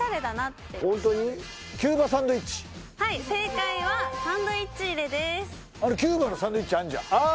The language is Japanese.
はい正解は「サンドイッチ入れ」ですああああ